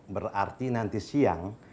berarti nanti siang